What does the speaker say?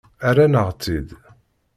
Rran-aɣ-tt-id.